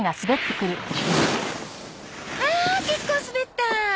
はあ結構滑った。